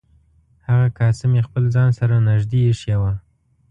هغه کاسه مې خپل ځان سره نږدې ایښې وه.